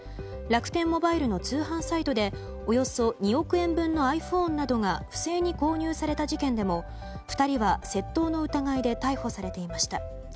楽天モバイルの通販サイトでおよそ２億円分のｉＰｈｏｎｅなどが不正に購入された事件でも２人は窃盗の疑いで逮捕されていました。